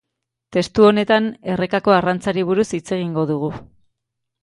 Testu honetan, errekako arrantzari buruz hitz egingo dugu.